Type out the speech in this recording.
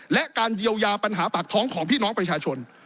และการเยียวยาปัญหาปากท้องของพี่น้องประชาชน